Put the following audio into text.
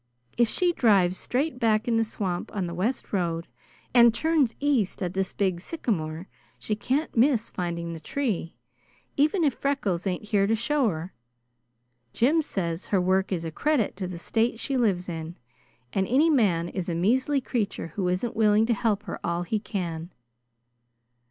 If she drives straight back in the swamp on the west road, and turns east at this big sycamore, she can't miss finding the tree, even if Freckles ain't here to show her. Jim says her work is a credit to the State she lives in, and any man is a measly creature who isn't willing to help her all he can.